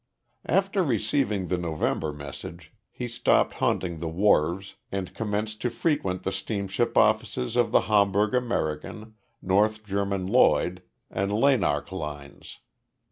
After receiving the November message he stopped haunting the wharves and commenced to frequent the steamship offices of the Hamburg American, North German Lloyd and Llanarch lines.